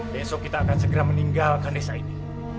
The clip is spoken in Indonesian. besok kita akan segera meninggalkan desa ini